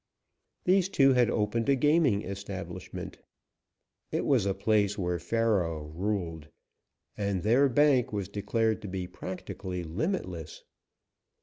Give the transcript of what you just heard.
These two had opened a gaming establishment. It was a place where faro ruled, and their bank was declared to be practically limitless.